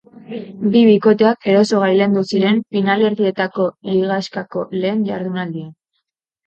Bi bikoteak eroso gailendu ziren finalerdietako ligaxkako lehen jardunaldian.